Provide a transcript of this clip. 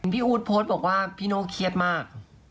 อู๊ดโพสต์บอกว่าพี่โน่เครียดมาก